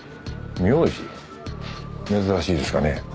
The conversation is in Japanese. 珍しいですかね。